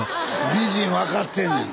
美人分かってんねん。